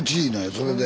それで。